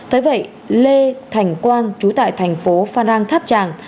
thế vậy lê thành quang chú tại thành phố phan rang tháp tràng